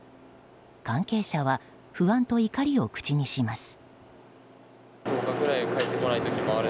関係者は不安と怒りを口にします。